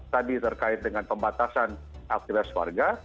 tadi terkait dengan pembatasan aktivitas warga